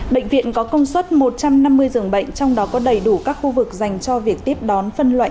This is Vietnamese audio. bệnh viện có công suất một trăm năm mươi giường bệnh trong đó có đầy đủ các khu vực dành cho việc tiếp đón phân loại